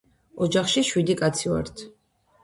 ოჯახში შვიდი კაცი ვართ